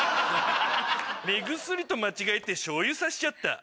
目薬と間違えてしょうゆさしちゃった。